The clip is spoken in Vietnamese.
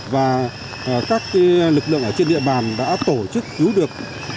và các lực lượng ở trên địa bàn đã tổ chức cứu được